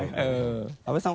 阿部さん